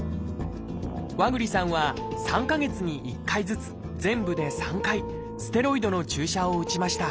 和栗さんは３か月に１回ずつ全部で３回「ステロイド」の注射を打ちました。